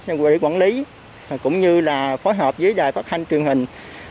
của quản lý cũng như phối hợp với đài phát thanh truyền hình